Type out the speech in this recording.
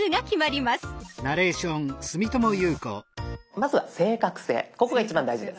まずは正確性ここが一番大事です。